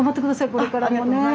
これからもねえ。